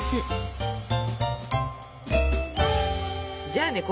じゃあね